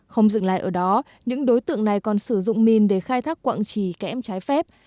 không dừng lại ở đó những đối tượng này còn sử dụng min để khai thác quảng trì kém trái phép